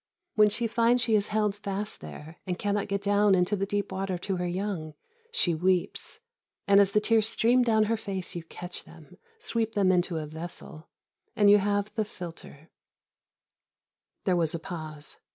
When she finds she is held fast there, and cannot get down into the deep water to her young, she weeps, and as the tears stream down her face you catch them, sweep them into a vessel, and you have the philtre." There was a pause.